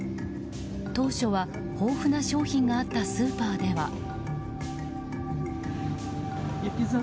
当初は豊富な商品があったスーパーでは。